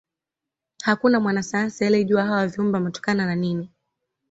hakuna mwanasayansi aliejua hawa viumbe wametokana na nini